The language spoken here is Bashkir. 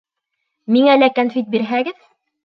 Миңә лә кәнфит бирһәгеҙ...